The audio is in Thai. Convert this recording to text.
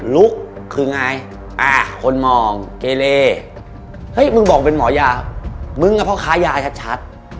ลุกคือไงคนมองเกเลเฮ้ยมึงบอกเป็นหมอยามึงกับพ่อค้ายาชัด